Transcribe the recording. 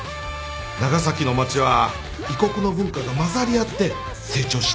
長崎の町は異国の文化がまざり合って成長していったので。